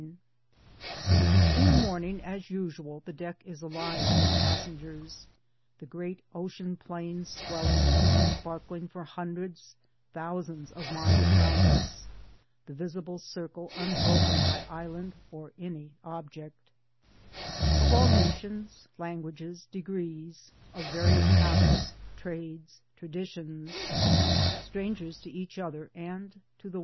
Digitized by VjOOQIC ao4 TOWARDS DEMOCRACY In the morning as usual the deck is alive with pass engers ŌĆö [The great ocean plains swelling sparkling for hundreds, thousands, of miles round us, the visible circle unbroken by island or any object] ŌĆö Of all nations languages degrees, of various habits trades traditions, Strangers to each other and to the